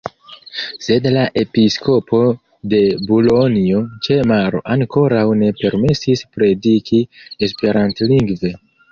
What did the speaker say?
Sed la episkopo de Bulonjo ĉe Maro ankoraŭ ne permesis prediki esperantlingve.